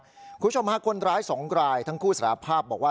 คุณผู้ชมฮะคนร้ายสองรายทั้งคู่สารภาพบอกว่า